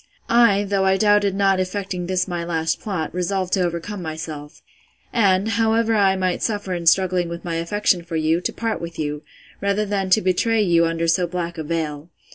I, though I doubted not effecting this my last plot, resolved to overcome myself; and, however I might suffer in struggling with my affection for you, to part with you, rather than to betray you under so black a veil.